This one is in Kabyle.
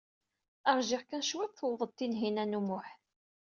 Ṛjiɣ kan cwiṭ, tuweḍ-d Tinhinan u Muḥ.